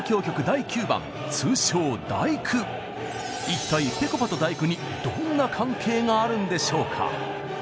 一体ぺこぱと「第９」にどんな関係があるんでしょうか？